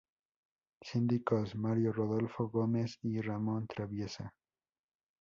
Síndicos: Mario rodolfo Gómez y Ramón Traviesa.